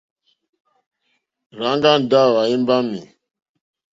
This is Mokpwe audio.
Rzanga Ndawo a imbami.